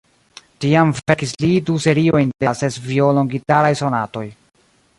Tiam verkis li du seriojn de la ses violon-gitaraj sonatoj.